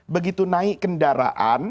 begitu naik kendaraan